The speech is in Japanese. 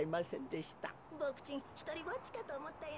ボクちんひとりぼっちかとおもったよ。